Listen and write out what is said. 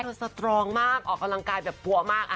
เพราะว่าเธอสตรองมากออกกำลังกายแบบปัวมาก